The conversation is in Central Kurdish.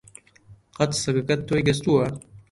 قەت سەگەکەت تۆی گەستووە؟